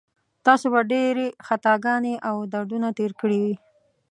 تاسو به ډېرې خطاګانې او دردونه تېر کړي وي.